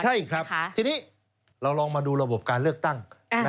ใช่ครับทีนี้เราลองมาดูระบบการเลือกตั้ง